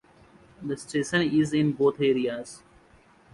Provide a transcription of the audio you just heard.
The station is in both areas.